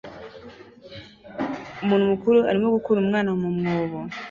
Umuntu mukuru arimo gukura umwana mu mwobo